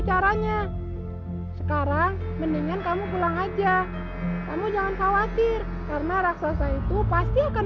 caranya sekarang mendingan kamu pulang aja kamu jangan khawatir karena raksasa itu pasti akan